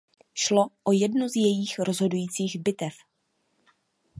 Šlo o jednu z jejích rozhodujících bitev.